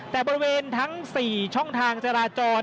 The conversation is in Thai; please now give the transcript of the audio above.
แต่บริเวณทั้ง๔ช่องทางจราจร